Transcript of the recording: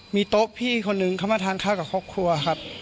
มีโต๊ะพี่คนนึงเขามาทานข้าวกับครอบครัวครับ